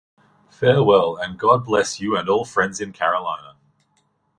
Farewell and God bless you and all friends in Carolina.